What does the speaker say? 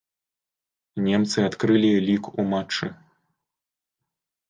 Немцы адкрылі лік ў матчы.